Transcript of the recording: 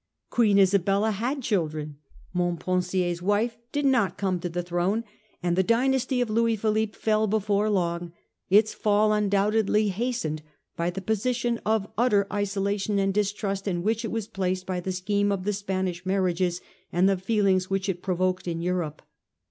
Queen Isabella had children ; Mont pensier's wife did not come to the throne ; and the dynasty of Louis Philippe fell before long, its fall undoubtedly hastened by the position of utter isola tion and distrust in which it was placed by the scheme of the Spanish marriages and the feelings which it provoked in Europe.